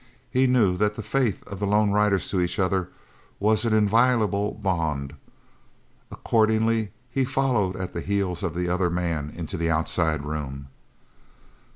He knew that the faith of lone riders to each other was an inviolable bond. Accordingly he followed at the heels of the other man into the outside room.